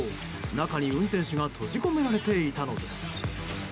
中に運転手が閉じ込められていたのです。